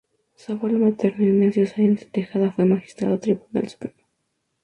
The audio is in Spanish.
Su abuelo materno Ignacio Sáenz de Tejada, fue Magistrado del Tribunal Supremo.